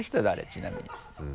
ちなみに。